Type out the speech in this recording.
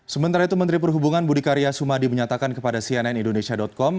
sementara itu menteri perhubungan budi karya sumadi menyatakan kepada cnn indonesia com